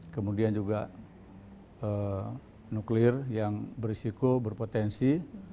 kemudian juga nuklir yang berisiko berpotensi